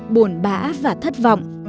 buồn bã và thất vọng